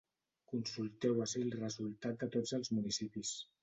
Consulteu ací el resultat de tots els municipis.